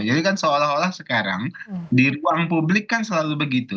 jadi kan seolah olah sekarang di ruang publik kan selalu begitu